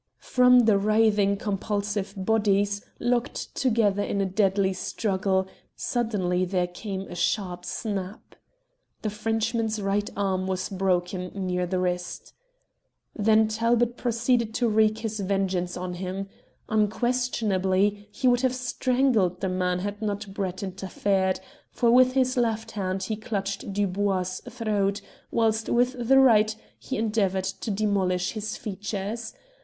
From the writhing convulsive bodies, locked together in a deadly struggle, suddenly there came a sharp snap. The Frenchman's right arm was broken near the wrist. Then Talbot proceeded to wreak his vengeance on him. Unquestionably he would have strangled the man had not Brett interfered, for with his left hand he clutched Dubois' throat, whilst with the right he endeavoured to demolish his features.